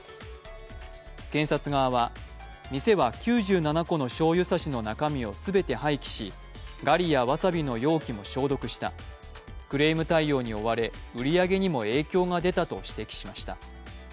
検察側は、店は９７個のしょうゆ差しの中身を全て廃棄しガリやわさびの容器も消毒した、クレーム対応に追われ売り上げにも影響が出たと指摘しました。